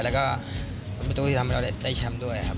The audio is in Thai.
แล้วก็เป็นประตูที่ทำให้เราได้แชมป์ด้วยครับ